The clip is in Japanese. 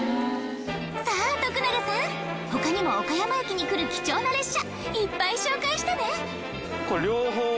さあ徳永さん他にも岡山駅に来る貴重な列車いっぱい紹介してね！